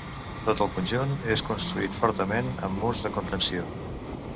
Tot el conjunt és construït fortament amb murs de contenció.